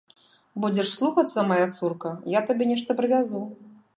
Будзеш слухацца, мая цурка, я табе нешта прывязу.